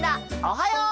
おはよう！